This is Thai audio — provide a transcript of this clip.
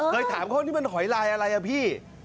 เคยถามเขานี่มันหอยลายอะไรอ่ะพี่